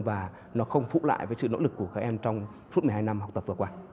và nó không phụ lại với sự nỗ lực của các em trong suốt một mươi hai năm học tập vừa qua